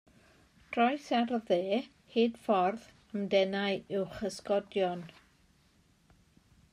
Trois ar y dde hyd ffordd a'm denai i'w chysgodion.